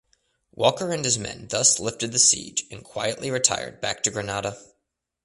Walker and his men thus lifted the siege and quietly retired back to Granada.